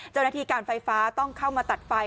เจ้าหน้าที่การไฟฟ้าต้องเข้ามาตัดไฟ